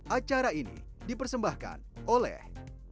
acara ini dipersembahkan oleh